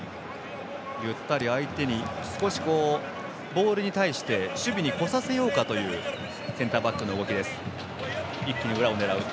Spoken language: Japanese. ボールに対して守備に来させようかというセンターバックの動きです。